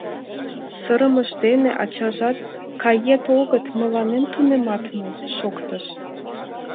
Сырымыж дене ачажат «Кает-огыт, мыланем тунемат мо...» — шоктыш.